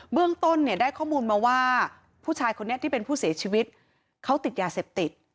เรื่องต้นเนี่ยได้ข้อมูลมาว่าผู้ชายคนนี้ที่เป็นผู้เสียชีวิตเขาติดยาเสพติด